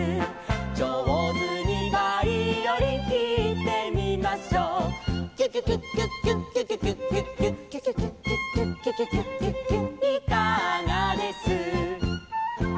「じょうずにバイオリンひいてみましょう」「キュキュキュッキュッキュッキュキュキュッキュッキュッ」「キュキュキュッキュッキュッキュキュキュッキュッキュッ」「いかがです」